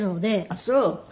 あっそう。